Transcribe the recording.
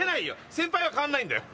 先輩は変わらないんだよ。